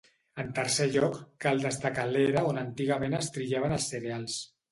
En tercer lloc cal destacar l'era on antigament es trillaven els cereals.